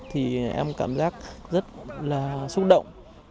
thì em cảm giác rất là xúc động